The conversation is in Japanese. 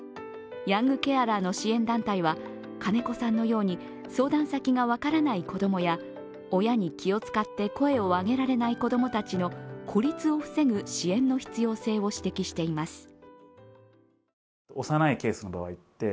ヤングケアラーの支援団体は金子さんのように相談先が分からない子供や親に気をつかって声を上げられない子供たちの孤立を防ぐ支援の必要性を指摘しています。